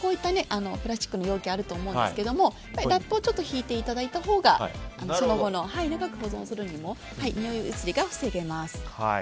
プラスチックの容器あると思うんですけれどもラップを敷いていただいたほうがその後、長く保存するにもにおい移りが防げます。